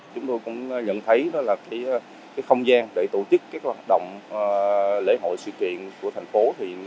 chúng tôi cũng nhận thấy là không gian để tổ chức các hoạt động lễ hội sự kiện của thành phố